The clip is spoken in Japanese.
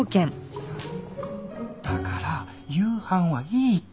だから夕飯はいいって。